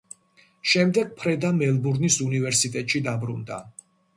შემდეგ ფრედა მელბურნის უნივერსიტეტში დაბრუნდა.